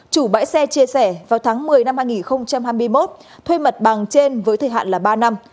chủ bãi xe chia sẻ vào tháng một mươi năm hai nghìn hai mươi một thuê mặt bằng trên với thời hạn là ba năm